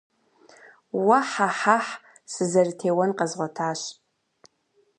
Уэ-хьэ-хьэхь! Сызэрытеун къэзгъуэтащ.